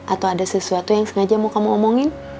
atau ada sesuatu yang sengaja mau kamu omongin